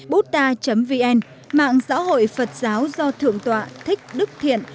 buta vn mạng giáo hội phật giáo do thượng tọa thích đức thiện